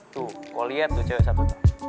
tuh gue liat tuh cewek satu